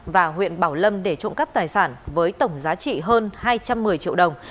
và huyện bảo lâm để trộm cắp tài sản với tổng giá trị hơn hai trăm một mươi triệu đồng